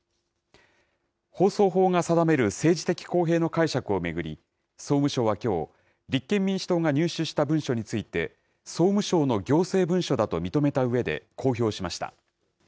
放送法が定める政治的公平の解釈を巡り、総務省はきょう、立憲民主党が入手した文書について、総務省の行政文書だと認めたうえで公表しました。